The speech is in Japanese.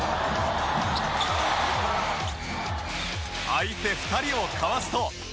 相手２人をかわすと。